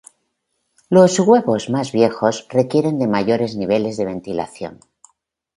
Los huevos más viejos requieren de mayores niveles de ventilación.